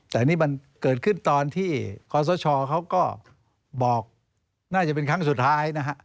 แต่นี่มันเกิดขึ้นตอนที่คอสชเขาก็บอกน่าจะเป็นครั้งสุดท้ายนะฮะ